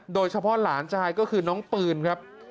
โดยเฉพาะหลานชายก็คือน้องปืนครับ